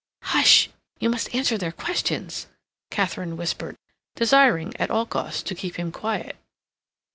"Hush! You must answer their questions," Katharine whispered, desiring, at all costs, to keep him quiet.